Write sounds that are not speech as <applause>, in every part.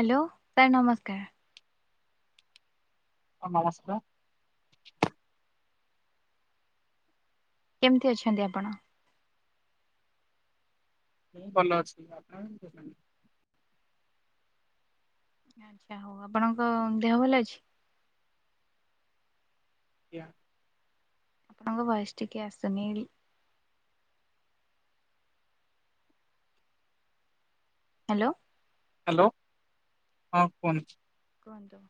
Hello sir ନମସ୍କାର୍ ହଁ ନମସ୍କାର୍। କେମିତି ଅଛନ୍ତି ଆପଣ। ମୁଁ ଭଲ ଅଛି ଆପଣ। ଆଚ୍ଛା ହଉ ଆପଣଙ୍କ ଦେହ ଭଲ ଅଛି। ଏହା ଆପଣଙ୍କ ଭଏସ୍ ଟିକେ ଅସୁନି ହେରି ହେଲୋ। ହ୍ୟାଲୋ ହଁ କୁହନ୍ତୁ। କୁହନ୍ତୁ।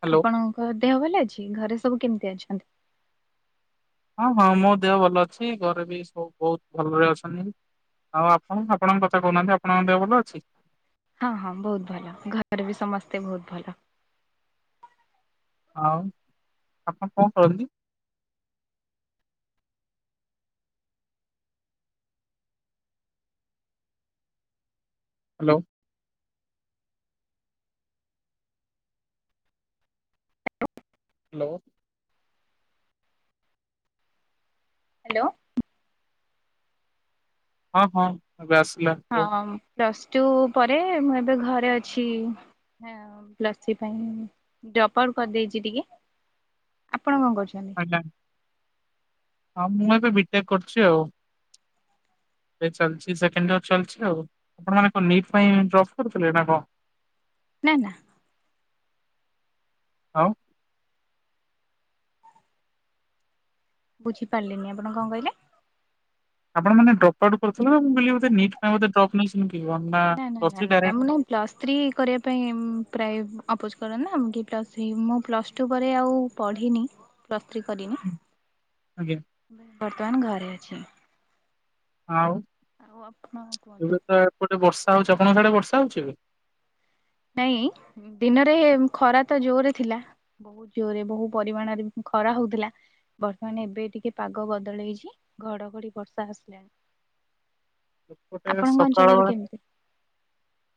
ହ୍ୟାଲୋ ଆପଣଙ୍କ ଦେହ ଭଲ ଅଛି। ଘରେ ସବୁ କେମିତି ଅଛନ୍ତି? ହଁ ହଁ ମୋ ଦେହ ଭଲ ଅଛି ଘରେ ବି ସବୁ ବହୁତ ଭଲରେ ଅଛନ୍ତି। ଆଉ ଆପଣ ଆପଣଙ୍କ କଥା କହୁନାହାନ୍ତି ଆପଣଙ୍କ ଦେହ ଭଲ ଅଛି। ହଁ ହଁ ବହୁତ ଭଲ ଘରେ ବି ସମସ୍ତେ ବହୁତ ଭଲ। ଆଉ ଆପଣ କଣ କରନ୍ତି? ହାଲୋ। ହାଲୋ। ହ୍ୟାଲୋ। ହଁ ହଁ ଏବେଆସିଲା କୁହ। ପ୍ଲସଟୁ ପରେ ମୁଁ ଏବେ ଘରେ ଅଛି। ହଁ ପ୍ଲସି ପାଇଁ ଡ୍ରପ୍ ଆଉଟ କରିଦେଇଛି ଟିକେ। ଆପଣ କଣ କରୁଛନ୍ତି? ଆଜ୍ଞା ହଁ ମୁଁ ଏବେ ବିଟେକ୍ କରୁଛି ଆଉ। ଏବେ ଚାଲିଚି ସେକେଣ୍ଡ ୟିର୍ ଚାଲିଚି ଆଉ ଆପଣ ମାନେ କଣ ନିଟ୍ ପାଇଁ ଡ୍ରପ କରିଥିଲେ ନା କଣ? ନାନା। ଆଉ ବୁଝିପାରିଲିନି ଆପଣ କଣ କହିଲେ? ଆପଣ ମାନେ ଡ୍ରପଆଉଟ କରୁଥିଲେ ନା ମୁଁ କହିଲି ବୋଧେ ନିଟ୍ ପାଇଁ ବୋଧେ ଡ୍ରପ୍ ନେଇ ନା ନା ନା ମୁଁ ନାଇଁ ପ୍ଲସଥ୍ରୀ କରିବା ପାଇଁ ପ୍ରାୟ ଆପୋଚ ନା ପ୍ଲସ୍ ହେ ମୁଁ ପ୍ଲସ୍ ଟୁ ପରେ ଆଉ ପଢ଼ିନି ପ୍ଲସ୍ ଥ୍ରୀ କରିନି ଆଜ୍ଞା ବର୍ତ୍ତମାନ ଘରେ ଅଛି। ଆଉ ଆଉ ଆପଣ କୁହନ୍ତୁ ଏବେ ତ ଏପଟେ ବର୍ଷା ହଉଛି ଆପଣଙ୍କ ସିଆଡେ ବର୍ଷ ହଉଚି ଏବେ? ନାଇଁ ଦିନରେ ଖରା ତ ଜୋରେ ଥିଲା। ବହୁତ ଜୋରରେ ବହୁ ପରିମାଣରେ ଖରା ହଉଥିଲା। ବର୍ତ୍ତମାନ ଏବେ ଟିକେ ପାଗ ବଦଳେଇଛି ଘଡଘଡ଼ି ବର୍ଷା ଆସିଲାଣି। ଏପଟେ ଆପଣଙ୍କ ସକାଳ ଅଞ୍ଚଳରେ ବେଳା କେମିତି?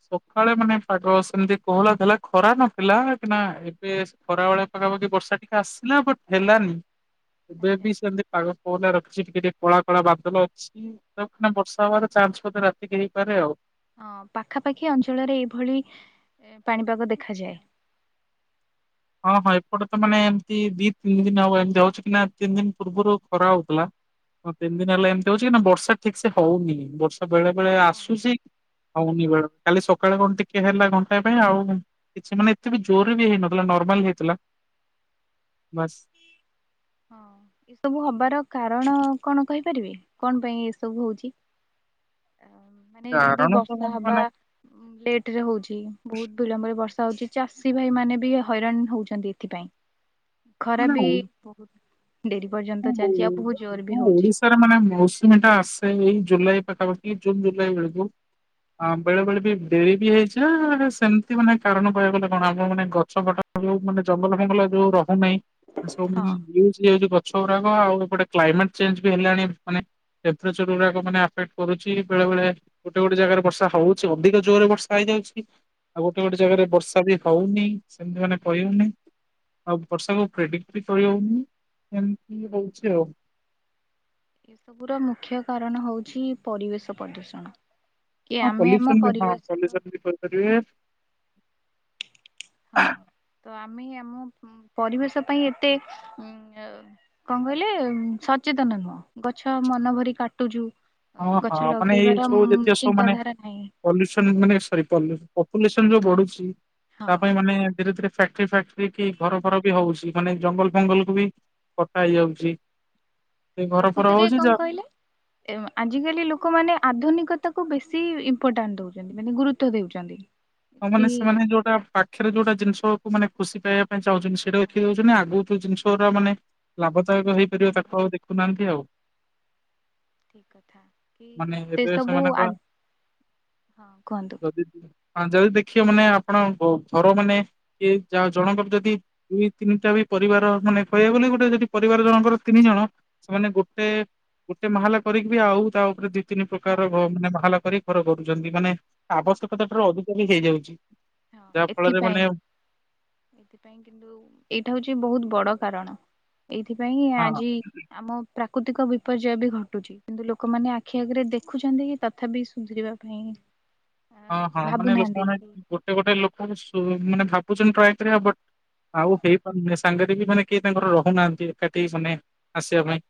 ସକାଳେ ମାନେ ପାଗ ଏମିତି କୋହଲା ଥିଲା ଖରା ନଥିଲା କିନା ଏବେ ଖରା ବେଳେ ପାଖାପାଖି ବର୍ଷା ଟିକେ ଆସିଲା ବଟ୍ ହେଲାନି। ଏବେ ଆଚ୍ଛା ବି ସେମିତି ପାଗ କୋହଲା ରଖିଛି ଟିକେ ଟିକେ କଳା କଳା ବାଦଲ ଅଛି ତ <unintelligible> ବର୍ଷ <unintelligible> ହେବାର ଚାନ୍ସ ବୋଧେ ରାତିିକି ହେଇପାରେ ଆଉ। ହଁ ପାଖାପାଖି ଅଞ୍ଚଳରେ ଏଇଭଳି ଏଁ ପାଣିପାଗ ଦେଖାଯାଏ। <unintelligible> ହଁ ହଁ ଏପଟେ ତ ମାନେ ଏମିତି ଦି ତିନି ଦିନ ହବ ଏମିତି ହଉଛି କି ନା ତିନି ଦିନ ପୂର୍ବରୁ ଖରା ହଉଥିଲା। ହଁ ତିନି ଦିନ ହେଲା ଏମିତି ହଉଛି କି ନ ବର୍ଷା ଠିକ ସେ ହଉନି ବର୍ଷା ବେଳେ ବେଳେ ହଁ ଆସୁଛି। ହଉନିବେଳେ କାଲି ସକାଳେ କଣ ଟିକେ ହେଲା ଘଣ୍ଟାଏ ପାଇଁ ଆଉ କିଛି ମାନେ ଏତେ ବି ଜୋରରେ ବି ହେଇନ ଥିଲା ନର୍ମାଲ ହେଇଥିଲା ବାସ। ହଁ ଏସବୁ ହବାର କାରଣ କଣ କହିପାରିବେ କଣ ପାଇଁ ଏସବୁ ହଉଛି? <unintelligible> ମାନେ ଯେମିତି କାରଣ ତ ବର୍ଷା ହବା ମାନେ ଲେଟ ରେ ହଉଛି ବହୁତ ବିଳମ୍ବରେ ବର୍ଷା ହଉଛି। ଚାଷୀ ଭାଇ ମାନେ ବି ହଇରାଣ ହଉଛନ୍ତି ଏଥିପାଇଁ ଖରା ମାନେ ବି। ବହୁତ ଡେରି ହଁ ପର୍ଯ୍ୟନ୍ତ ହଉ ଚାଲିଛି ଆଉ ବହୁତ ଜୋର ବି ହଁ ହଉଛି। ଓଡିଶାରେ ମାନେ ମୌସୁମୀ ଟା ଆସେ ଏଇ ଜୁଲାଇ ପାଖାପାଖି ଜୁନ ଜୁଲାଇ ବେଳକୁ ଆ ବେଳେ ବେଳେ ବି ଡେରି ବି ହେଇଛି ଆ ସେମିତି ମାନେ କାରଣ କହିବାକୁ ଗଲେ କଣ ଆମ ମାନେ ଗଛ କଟା ଯଉ ମାନେ ଜଙ୍ଗଲ ଫଙ୍ଗଲ। ଯଉ ରହୁନି ଏ ସବୁ ହଁ। ୟୁଜ ହେଇଯାଉଚି ଗ ଏଗୁଡ଼ାକ ଆଉ ଏପଟେ କ୍ଲାଇମେଟ ଚେଞ୍ଜ ବି ହେଲାଣି ମାନେ ଟେମ୍ପେରେଚର ଗୁଡାକ ମାନେ ଆଫେକ୍ଟ କରୁଛି ବେଳେ ବେଳେ ଗୋଟେ ଗୋଟେ ଜାଗାରେ ବର୍ଷା ହଉଛି ଅଧିକ ଜୋରରେ ବର୍ଷା ହେଇଯା ଯାଉଛି ଆଉ ଗୋଟେ ଗୋଟେ ଜାଗାରେ ବର୍ଷା ବି ହଉନି ସେମିତି ମାନେ କହିିହଉନି। ଆଉ ବର୍ଷାକୁ ପ୍ରେଡିକ୍ଟ ବି କରିହଉନି ଏମିତି ହଉଛି ଆଉ। ଏ ସବୁ ର ମୁଖ୍ୟ କାରଣ ହଉଛି ପରିବେଶ ପ୍ରଦୂଷଣ। କି ହଁ ଆମେ ପଲ୍ୟୁସନ ଆମ ବି ହଁ ପରିବେଶ। ପଲ୍ୟୁସନ ବି କରିପାରିବେ ହଁ ତ ଆମେ ହିଁ ଆମ ଉଁ ପରିବେଶ ପାଇଁ ଏତେ ଉଁ ଅ। କଣ କହିଲେ ଉଁ ସଚେତନ ନୁହଁ ଗଛ ମନ ଭରି କାଟୁଚୁ। ହଁ ହଁ ମାନେ ଏଇ ସବୁ ଯେତିକ ସବୁ ମାନେ ଚିନ୍ତାଧାରା ନାହିଁ ପଲ୍ୟୁସନ ମାନେ ସରି ପଲ୍ୟୁ ପପୁଲେସନ ଯୋଉ ବଢୁଛି ହଁ ତା ପାଇଁ ମାନେ ଧୀରେ ଧୀରେ ଫ୍ୟାକ୍ଟ୍ରି ଫ୍ୟାକ୍ଟ୍ରି କି ଘର ଫର ବି ହଉଛି ମାନେ ଜଙ୍ଗଲ ଫଙ୍ଗଲ କୁ ବି କଟା ହେଇଯାଉଛି। ସେ ଘର ଫର ପ୍ରକୃତିରେ ହଉଛି କଣ ଯା କହିଲେ ଏମା ଆଜିକାଲି ଲୋକମାନେ ଆଧୁନିକତା କୁ ବେଶୀ ଇମ୍ପୋଟାଣ୍ଟ ଦଉଛନ୍ତି ମାନେ ଗୁରୁତ୍ବ ଦେଉଛନ୍ତି। ଆଉ ମାନେ କି ସେମାନେ ଯୋଉଟା ପାଖରେ ଯୋଉଟା ଜିନିଷକୁ ମାନେ ଖୁସି ପାଇବା ପାଇଁ ଚାହୁଁଛନ୍ତି ସେଇଟା ଦେଖି ଦଉଛନ୍ତି ଆଗୁ କୁ ଜିନିଷ ଗୁରା ମାନେ ଲାଭଦାୟକ ହେଇପାରିବ ହଁ ତାକୁ ଆଉ ଦେଖୁନାହାନ୍ତି ଆଉ। ଠିକ କଥା କି ମାନେ ଏବେ ସେସବୁ ଆ ସେମାନଙ୍କ ହଁ କୁହନ୍ତୁ। ଯଦି ହଁ ଯଦି ଦେଖିବ ମାନେ ଆପଣ ଘ-ଘର ମାନେ କି ଯାହା ଜଣଙ୍କର ଯଦି ଦୁଇ ତିନିଟା ବି ପରିବାର ମାନେ କହିବାକୁ ଗଲେ ଗୋଟେ ଯଦି ପରିବାର ଜଣଙ୍କର ତିନି ଜଣ ସେମାନେ ଗୋଟେ। ଗୋଟେ ମାହାଲା କରିକି ବି ଆଉ ତା ଉପରେ ଦି ତିନି ହଁ ପ୍ରକାର ଘ ମାନେ ମାହାଲା କରି ଘର କରୁଛନ୍ତି ମାନେ ଆବଶ୍ୟକତା ଠାରୁ ଅଧିକା ବି ହେଇଯାଉଛି। ହଁ ଯାହା ଫଳରେ ମାନେ ଏଥିପାଇଁ ଏଥିପାଇଁ କିନ୍ତୁ ଏଇଟା ହଉଛି ବହୁତ ବଡ। କାରଣ ଏଇଥିପାଇଁ ହଁ ଆଜି ଆମ ପ୍ରା କୃତିକ ବିପର୍ଯ୍ୟୟ ବି ଘଟୁଛି କିନ୍ତୁ ଲୋକମାନେ ଆଖି ଆଗରେ ଦେଖୁଛନ୍ତି ତଥାପି ସୁଧରିବା ପାଇଁ। ଆ, ହଁ ହଁ ମାନେ ଭାବୁନାହାନ୍ତି କି ହୁଁ, ଲୋକମାନେ ଗୋଟେ ଗୋଟେ ଲୋକ ସୁ ମାନେ ଭାବୁଛନ୍ତି ଟ୍ରାଏ କରିବା ବଟ। ଆଉ ହେଇପାରୁନି ସାଙ୍ଗରେ ବି ମାନେ କିଏ ତାଙ୍କର ରହୁନାହାନ୍ତି ଏକାଠି ମାନେ ଆସିବା ପାଇଁ।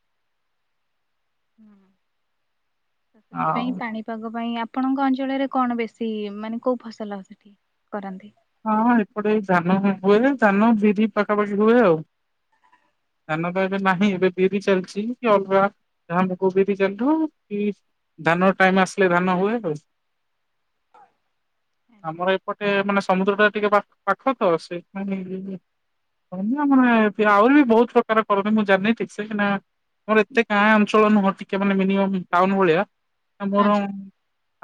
ହଁ ଆଉ ସେଥିପାଇଁ ପାଣିପାଗ ପାଇଁ ଆପଣଙ୍କ ଅଞ୍ଚଳରେ କଣ ବେଶୀ ମାନେ କେଉଁ ଫସଲ ସେଠି କରନ୍ତି। ହଁ ଏପଟେ ଧାନ ହୁଏ ଧାନ ବିରି ପାଖାପାଖି ହୁଏ ଆଉ। ଧାନ ତ ଏବେ ଆଚ୍ଛା ନାହିଁ ଏବେ ବିରି ଚାଲିଛି। ଅଲଗା ଯାହା ମୁଗ ବିରି ଚାଲିଥିବ କି ଧାନର ଟାଇମ ଆସିଲେ ଧାନ ହୁଏ ଆଉ। ଆଚ୍ଛା ଆମର ଏପଟେ ମାନେ ସମୁଦ୍ର ଟା ଟିକେ ପାଖ ତ ସେ କ ମାନେ ଆହୁରି ବି ବହୁତ ପ୍ରକାର କରନ୍ତିି ମୁଁ ଜାଣିନି ଠିକ ସେ କାନା ଆମର ଏତେ ଗାଁ ଅଞ୍ଚଳ ନୁହଁ ଟିକେ ମାନେ ମିନିମମ୍ ଟାଉନ ଭଳିଆ। ମୋର ଆଚ୍ଛା।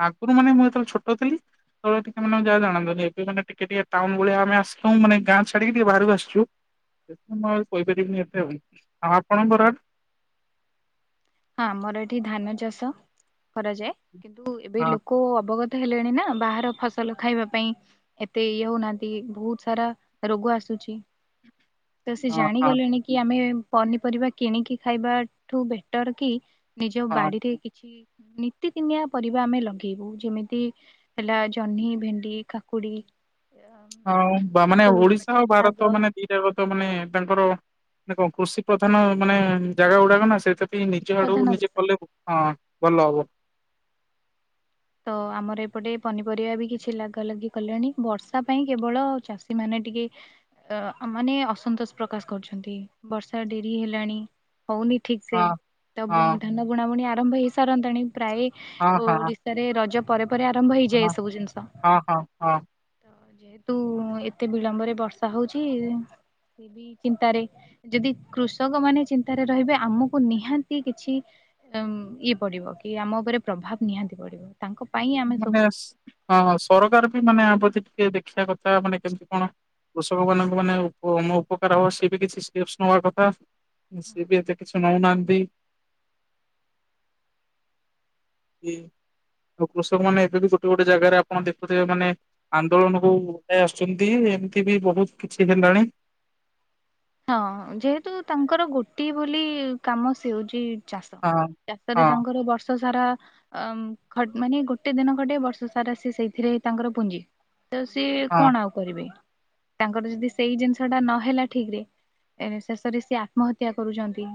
ଆଗରୁ ମାନେ ମୁଁ ଯେତେବେଳେ ଛୋଟ ଥିଲି ସେତବେଳେ ଟିକେ ମାନେ ଯାହା ଜାଣନି ମାନେ ଟିକେ ଟିକେ ଟାଉନ ଭଳିଆ ଆମେ ଆସିଲଉ ମାନେ ଗାଁ ଛାଡିକି ଟିକେ ବାହକୁ ଆସିଛୁ। ସେଥି ମୁଁ କହିପାରିବିନି ଏତେ ଆଉ ଆପଣଙ୍କର ହଁ ଆମର ଏଠି ଧାନ ଚାଷ କରାଯାଏ କିନ୍ତୁ ଏବେ ହଁ ଲୋକ ଅବଗତ ହେଲେଣି ନା ବାହାର ଫସଲ ଖାଇବା ପାଇଁ ଏତେ ଇଏ ହଉନାହାନ୍ତି ବହୁତ ସାରା ରୋଗ ଆସୁ ଛି। ତ ସେ ହଁ ହଁ ଜାଣିଗଲେଣି କି ଆମେ ପନିପରିବା କିଣିକି ଖାଇବାଠୁ ବେଟର କି ନିଜ ହଁ ବାଡିରେ କିଛି ନିତିଦିନିଆ ପରିବା ଆମେ ଲଗେଇବୁ ଯେମିତି ହେଲା ଜହ୍ନି ଭେଣ୍ଡି କାକୁଡି ହଁ ଏଇ ମାନେ ସବୁ ଓଡିଶା ଜିନିଷ ଆଉ ଶାଗ ଭାରତ ମାନେ ଦି ଜାଗତ ମାନେ ତାଙ୍କର କଣ କୃଷି ପ୍ରଧାନ ମାନେ ଜାଗା ଗୁଡାକ ନା ସେଥିପାଇଁ ନିଜ କୃଷି ଆଡକୁ ପ୍ରଧାନ ନିଜେ ଦେଶ କଲେ ହଁ ଭଲ ହବ। ତ ଆମର ଏପଟେ ପନିପରିବା ବି କିଛି ଲାଗା ଲାଗି କଲେଣି ବର୍ଷା ପାଇଁ କେବଳ ଚାଷୀ ମାନେ ଟିକେ ଅ ମାନେ ଅସନ୍ତୋଷ ପ୍ରକାଶ କରୁଛନ୍ତି ବର୍ଷା ଡେରି ହେଲାଣି ହଉନି ଠିକ ସେ ହଁ ତ ହଁ ଧାନ ବୁଣାବୁଣି ଆରମ୍ଭ ହେଇ ସାରନ୍ତାଣି ପ୍ରାୟ ହଁ ହଁ ରଜ ପରେ ପରେ ଆରମ୍ଭ ହେଇଯାଏ ଏ ହଁ ସବୁ ଜିନିଷ ତ ହଁ ହଁ ହଁ ଯେହେତୁ ଏତେ ବିଳମ୍ବରେ ବର୍ଷା ହଉଛି ସେ ବି ଚିନ୍ତାରେ ଯଦି କୃଷକ ମାନେ ଚିନ୍ତାରେ ରହିବେ ଆମକୁ ନିହାତି କିଛି ଉ ଇଏ ପଡିବ କି ଆମ ଉପରେ ପ୍ରଭାବ ନିହାତି ପଡିବ ତାଙ୍କ ପାଇଁ ଆମେ ମାନେ ସବୁ ହ ସରକାର ବି ମାନେ ଆମ ପ୍ରତି ଟିକେ ଦେଖିବା କଥା ମାନେ କେମିତି କଣ କୃଷକ ମାନଙ୍କୁ ମାନେମ ଉପକାର ହବ ସ ବି କିଛିପ ନବା କଥା। ସିଏ ବି ଏତ କିଛି ନାଉନାହାନ୍ତି। ହୁଁ। ଆଉ କୃଷକ ମାନେ ଏବେ ବି ଗୋଟେ ଗୋଟେ ଜାଗାରେ ଆପଣ ଦେଖୁଥିବେ ମାନେ ଆନ୍ଦୋଳନକୁ ଉ ଆସୁଛନ୍ତି। ଏମିତି ବି ବହୁତ କିଛି ହେଲାଣି। ହଁ ଯେହେତୁ ତାଙ୍କର ଗୋଟିଏ ବୋଲି କାମ ସେ ହଉଚି ଚାଷ ହଁ। ଚାଷରେ ହଁ ତାଙ୍କର ବର୍ଷ ବର୍ଷ ସାରା ମାନେ ଗୋଟେ ଦିନ ଖଟେ ବର୍ଷ ସାରା ସେ ସେଇଥିରେ ତାଙ୍କର ପୁଞ୍ଜି। ତ ସିଏ ହଁ କଣ ଆଉ କରିବେ ତାଙ୍କର ଯଦି ସେଇ ଜିନିଷ ଟା ନହେଲା ଠିକ ରେ ଶେଷରେ ସିଏ ଆତ୍ମହତ୍ୟା କରୁଛନ୍ତି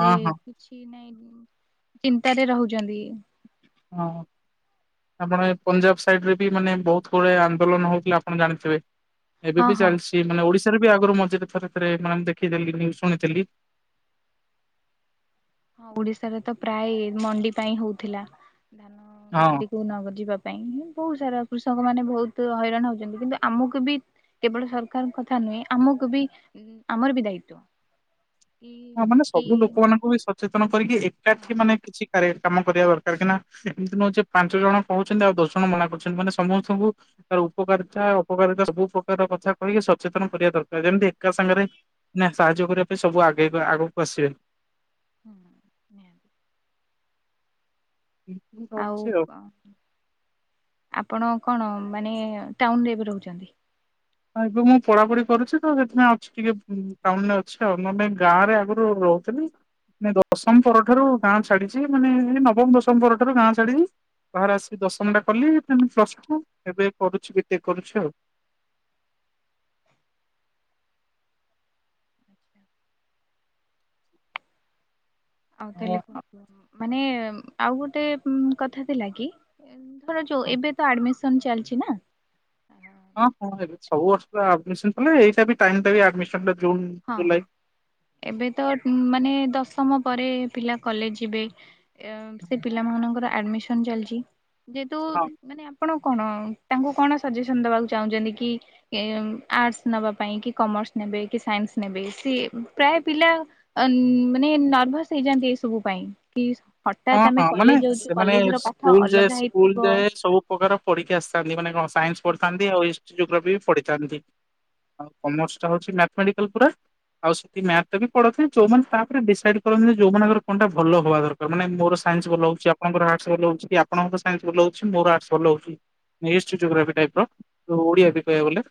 ହଁ ହଁ କିଛି ନାଇଁ ଚିନ୍ତାରେ ରହୁଛନ୍ତି। ହଁ। ଆପଣ ପଞ୍ଜାବ ସାଇଡ ରେ ବି ମାନେ ବହୁତ ଗୁଡାଏ ଆନ୍ଦୋଳନ ହଉଥିଲେ ଆପଣ ଜାଣିଥିବେ। ଏବେ ହଁ ବି ହଁ ଚାଲିଛି ମାନେ ଓଡିଶା ରେ ବି ଆଗରୁ ମଝରେ ଥରେ ଥରେ ମାନେ ଦେଖିଥିଲି ଶୁଣିଥିଲି ହଁ ଓଡିଶାରେ ତ ପ୍ରାୟ ମଣ୍ଡି ପାଇଁ ହଉଥିଲା। ଧାନ ହଁ। ମଣ୍ଡିକୁ ନଗ ଯିବା ପାଇଁ ହିଁ ବହୁତ ସାରା କୃଷକ ମାନେ ବହୁତ ହଇରାଣ ହଉଛନ୍ତି କିନ୍ତୁ ଆମକୁ ବି କେବଳ ସରକାରଙ୍କ କଥା ନୁହେଁ ଆମକୁ ବି ଆମର ବି ଦାୟିତ୍ଵ। ହଁ ମାନେ ସବୁ ଲୋକ ମାନଙ୍କୁ ବି ସଚେତନ କରିକି ହଁ ଏକାଠି ମାନେ କିଛି କ କାମ କରିବା ଦରକାର କି ନା ଏମିତି ନୁହେଯେ ପାଞ୍ଚ ଜଣ କହୁଛନ୍ତି ଆଉ ଦଶ ଜଣ ମନା କରୁଛନ୍ତି ମାନେ ସମସ୍ତଙ୍କୁ ଉପକାରିତା ଅପକାରିତା ସବୁ ପ୍ରକାର କଥା କହିକି ସଚେତନ କରିବା ଦରକାର ଯେମିତି ଏକା ସାଙ୍ଗରେ ସାହାଯ୍ୟ କରିବା ପାଇଁ ସବୁ ଆଗେଇ ଆଗକୁ ଆସିବେ। ହୁଁ। ନିହାତି ଏମିତି ମୁଁ ଆଉ ଭାବୁଛି ଆପଣ କଣମାନେ ଟାଉନରେ ଏବେ ରହୁଛନ୍ତି। ଏବେ ମୁଁ ପଢାପଢି କରୁଛି ତ ସେଥିପାଇଁ ଅଛି ଟିକେ ଟାଉନରେ ଅଛି ଆଉ ନନେଲେ ଗାଁରେ ଆଗରୁ କହୁଥିଲି। ନାଁ ଦଶମ ପର ଠାରୁ ଗାଁ ଛାଡିଛି ମାନେ ନବମ ଦଶମ ପରଠାରୁ ଗାଁ ଛାଡିଛି। ବାହାରେ ଆସିକି ଦଶମଟା କଲି ତା ପରେ ପ୍ଳସଟୁ ଏବେ କରୁଛି ବିଟେକ କରୁଛି ଆଉ। ଆଉ ହଁ ତାହେଲେ କ ମାନେ ଆଉ ଗୋଟେ କଥା ଥିଲା କି? ର ଯୋଉ ହଁ ଏବେ ତ ଆଡମିସନ ଚାଲିଛି ନା? ହଁ ହଁ ଏବେ ସବୁ ବର୍ଷ ଅଡ଼ମିସନ୍ କଲେ ଏଇଟା ବି ଟାଇମ ଟା ବି ଆଡ଼ମିସନ ହଁ ଏବେ ତ ମାନେ ଦଶମ ପରେ ପିଲା କଲେଜ ଯିବେ ଏ ସେ ପିଲାମାନଙ୍କର ଆଡ଼ମିସନ ଚାଲିଛି। ଯେହେତୁ ହଁ ମାନେ ଆପଣ କଣ ତାଙ୍କୁ କଣ ସଜେସନ ଦବାକୁ ଚାହୁଁଛନ୍ତି କି ଆର୍ଟସ୍ ନେବା ପାଇଁ କି କମର୍ସ ନ ବେ କି ସାଇନ୍ସ ନେବେ ସିଏ ପ୍ରାୟ ପିଲା ଆ ମାନେ ନର୍ଭସ ହେଇଯାନ୍ତି ଏସବୁ ପାଇଁ କି? ହଁ ହଠାତ୍ ଆମେ ହଁ ମାନେ କଲେଜ ଯାଉଛୁ ସେମାନେ କଲେଜ ର ପାଠ ସ୍କୁଲ ଯାଏ ଅଲଗା ସ୍କୁଲ ହେଇଥିବ। ଯାଏ ସବୁ ପ୍ରକାର ପଢିକି ଆସିଥାନ୍ତି ମାନେ କଣ? ସାଇନ୍ସ ହଁ ପଢିଥାନ୍ତି ଆଉ ହିଷ୍ଟି ଜଗ୍ରଫି ବି ପଢିଥାନ୍ତି। ଆଉ କମର୍ସ ଟା ହଉଛି ମ୍ୟାଥ୍ ମଟିକାଲ ପୁରା। ଆଉ ସେଠି ମ୍ୟାବ ବି ପଢଉଥିବେ, ଯୋଉମାନେ ତାପରେ ଡିସାଇଡ କରନ୍ତି ଯେ ଯୋଉମାନଙ୍କର କଣଟା ଭଲ ହବା ଦର ମାନେ ମୋର ସାଇନ୍ସ ହଁ। ଭଲ ହଉଛି ଆପଣଙ୍କର ଆର୍ଟସ ଭଲ ହଉଛି କି ଆପଣଙ୍କର ସାଇଁସ୍ ଭଲ ହଉଛି ମୋର ଆର୍ଟସ ଭଲ ହଉଛି। ଇଷ୍ଟ ଯୋଗ୍ରାଫି ଟାଇପର ଯୋଉ ଓଡିଆ ବି କହିବାକୁ ଗଲେ।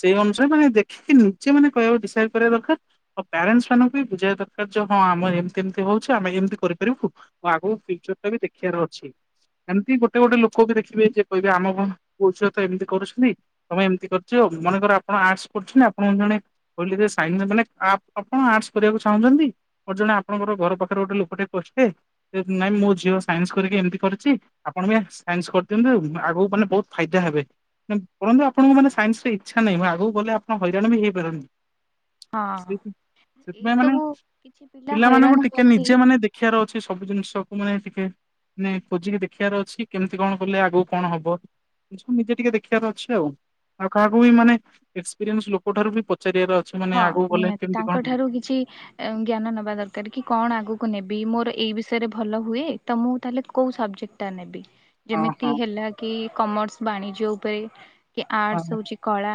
ସେଇ ଅନୁସାରେ ମାନେ ଦେଖିକି ନିଜେ ମାନେ କହିବାକୁ ଡିସାଇଡ କରିବା ଦରକାର ଆଉ ପ୍ୟାରେଣ୍ଟ ମାନଙ୍କୁ ବି ବୁଝାଇବା ଦର ହଁ ଆମ ଏମତି ଏମିତି ହଉଛି ଆମେ ଏମ କରିପାରିବୁ ଆଗକୁ ଫ୍ୟୁଚରଟା ବି ଦେଖିବାର ଅଛି। ଏମିତି ଗୋଟେ ଗୋଟେ ଲୋକ ବି ଦେଖିବେ ଯିଏ କହିବେ ଆମ ମୋ ଝିଅ ତ ଏମିତି କରୁଛନ୍ତି ତମେ ଏମିତି କରୁଛ? ମନେକର ଆପଣ ଆର୍ଟସ୍ କରୁଛନ୍ତି ଆପଣ ଜଣେ କହିଲେ ଯେ ସାଇନ୍ ନେବେନା ଆପଣ ଆର୍ଟସ୍ କରିବାକୁ ଚାହୁଁଛନ୍ତି। ଜଣେ ଆପଣଙ୍କର ଘର ପାଖରେ ଗୋଟେ ଲୋକଟେ <unintelligible> ନାଇଁ ମୋ ଝିଅ ସାଇନ୍ସ କରିକି ଏମିତି କରିଛି ଆପଣ ବି ସାଇନ୍ସ କରିଦିଅନ୍ତୁ ଆଗକୁ ମାନେ ବହୁତ ଫାଇଦା ହେବେ। ପରନ୍ତୁ ଆପଣଙ୍କୁ ମାନେ ସାଇନ୍ସ ରେ ଇଚ୍ଛା ନାହିଁ ମୋର ଆଗକୁ ଗଲେ ଆପଣ ହଇରାଣ ବି ହେଇପାରନ ସେ ହଁ ଏଇ ସେଥିପାଇଁ ମାନେ ସବୁ କିଛି ପିଲା ହଇରାଣ ପିଲାମାନଙ୍କୁ ଟିକେ ହୁଅନ୍ତି। ନିଜେ ମାନେ ଦେ ଶିକ୍ଷାର ଅଛି ସବୁ ଜିନିଷକୁ ମାନେ ଟିକେ ନାଁଏ ଖୋଜିକି ଦେଖିବାର ଅଛି କେମିତି କଣ କଲେ ଆଗକୁ କଣ ହବ। ଏ ସବୁ ନିଜେ ହୁଁ। ଟିକେ ଦେଖିବାର ଅଛି ଆଉ ଆଉ କାହାକୁ ବି ମାନେ ଏକ୍ସପିରିଏନ୍ସ ଲୋକଠାରୁ ବି ପ ହଁ ନିହାତି ତାଙ୍କ ଠାରୁ କିଛି ଏ ଜ୍ଞାନ ନବା ଦରକାର କି କଣ ଆଗକୁ କୁ ନେବି ମୋର ଏ ବିଷୟରେ ଭଲ ହୁଏ ତ ମୁଁ ତାହେଲେ କୋଉ ସବଜେକ୍ଟଟା ନେବି? ଯେମିତି ହଁ ହେଲା କି କମର୍ସ ବାଣିଜ୍ୟ ଉପରେ କି ଆର୍ଟସ ହଁ ହଉଛି କଳା।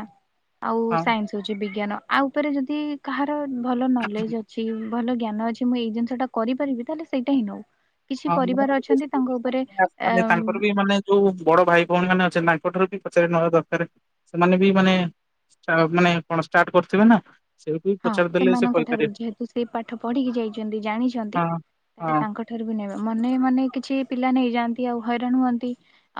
ଆଉ ହଁ ସାଇନ୍ସ ହଉଛି ବିଜ୍ଞାନ ଆଉ ଉପରେ ଯଦି କାହାର ଭଲ ନଲେଜ ଅଛି। ଭଲ ଜ୍ଞାନ ଅଛି ମୁଁ ଏଇ ଜିନିଷଟା କରିପାରିବି ତାହେଲେ ସେଇଟା ହିଁ ନଉ। କିଛି ପରିବାର ଅଛନ୍ତି ତାଙ୍କ ଉପରେ ଅ ହଁ ତାଙ୍କର ବି ମାନେ ଯୋଉ ବଡ ଭାଇ ଭଉଣୀ ମାନେ ସେମାନଙ୍କଠାରୁ ବି ପଚାର ନବା ଦରକାର ସେମାନେ ବି ମାନେ ମାନେ କଣ ଷ୍ଟାର୍ଟ କରିଥିବେ ନା? ସେଇଠୁ ହଁ ପଚାରିଦେଲେ ସେ ସେମାନଙ୍କ କହିପାରିବେ ଠାରୁ ଯେହେତୁ ସେଇ ପାଠ ପଢିକି ଯାଇଛନ୍ତି ଜାଣିଛନ୍ତି। ହଁ ତାହେଲେ ହଁ ତାଙ୍କଠାରୁ ବି ନେବେ। ମନେ ମନେ କିଛି ପିଲା ନେଇଯାଆନ୍ତି ଆଉ ହଇରାଣ ହୁଅନ୍ତି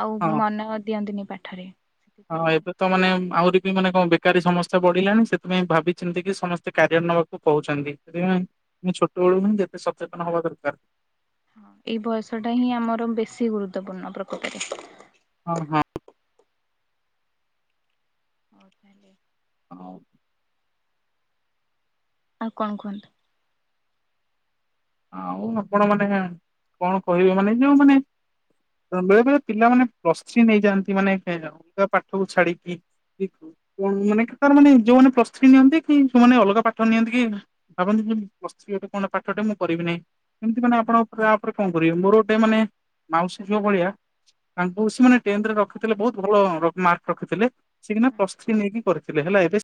ଆଉ ହଁ। ମନ ଦିଅନ୍ତିନି। ପାଠରେ। ସେଥିପାଇଁ ହଁ ଏବେ ତ ମାନେ ଆହୁରି ବି ମାନେ କଁ ବେକାରୀ ସମସ୍ୟା ବଢିଲାଣି ସେଥିପାଇଁ ଭାବି ଚିନ୍ତି କି ସମସ୍ତେ କାରିୟର ନବାକୁ କହୁଛନ୍ତି ସେଥିପାଇଁ ମୁଁ ଛୋଟ ବେଳୁ ହିଁ ଯେତେ ସଚେତନ ହବା ଦରକାର। ଏଇ ବୟସ ଟା ହିଁ ଆମର ବେଶୀ ଗୁରୁତ୍ୱପୂର୍ଣ୍ଣ ପ୍ରକୃତରେ। ଓ ହଁ। <inaudible> ଆଉ ଆଉ କଣ କୁହନ୍ତୁ? ଆଉ ଆପଣ ମାନେ କଣ କହିବେ ମାନେ ଯୋଉ ମାନେ ବେଳେବେଳେ ପିଲାମାନେ ପ୍ଲସ ଥ୍ରୀ ନେଇଯାଆନ୍ତି ମାନେ ଅଲଗା ପାଠକୁ ଛାଡିକି କଣ ମାନେ ତାର ମାନେ ଯୋଉମାନେ ପ୍ଲସ ଥ୍ରୀ ନିଅନ୍ତି କି ସେମାନେ ଅଲଗା ପାଠ ନିଅନ୍ତି କି ଭାବନ୍ତି ପ୍ଲସ୍ ଥ୍ରି ଗୋଟେ କଣ ପାଠଟେ ମୁଁ କରିବି ନାହିଁ ଏମତି ମାନେ ଆପଣ ତାପରେ କଣ କରିବେ ମୋର ଗୋଟେ ମାନେ ମାଉସୀ ଝିଅ ଭଳିଆ ତାଙ୍କୁ ସେମାନେ ଟେନ୍ଥ ରେ ରଖିଥିଲେ ବହୁତ ଭଲ ମାର୍କ ରଖିଥିଲେ ସି କିନା ପ୍ଲସ ଥ୍ରୀ ନେଇକି କରିଥିଲେ ହେଲା ଏବେ ସେ